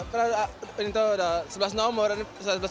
pernah itu sudah sebelas nomor